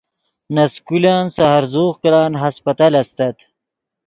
نے سکولن سے ہرزوغ کرن ہسپتل استت